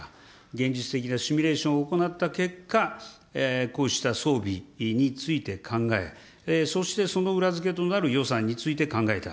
現実的なシミュレーションを行った結果、こうした装備について考え、そしてその裏付けとなる予算について考えた。